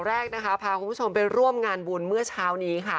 อันดับแรกพาคุณผู้ชมไปร่วมงานบุญเมื่อเช้านี้